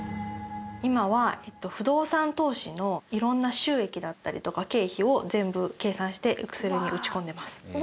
今は不動産投資のいろんな収益だったりとか経費を全部計算してエクセルに打ち込んでます。